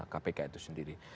kampung kpk itu sendiri